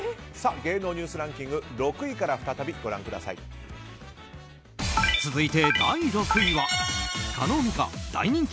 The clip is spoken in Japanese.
芸能ニュースランキング６位から再びご覧ください。